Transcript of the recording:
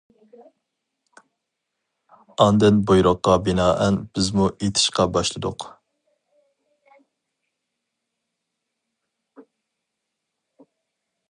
ئاندىن بۇيرۇققا بىنائەن بىزمۇ ئېتىشقا باشلىدۇق.